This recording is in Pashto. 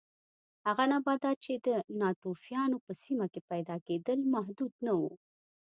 هغه نباتات چې د ناتوفیانو په سیمه کې پیدا کېدل محدود نه و